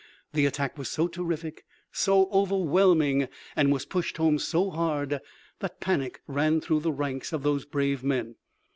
The attack was so terrific, so overwhelming, and was pushed home so hard, that panic ran through the ranks of those brave men.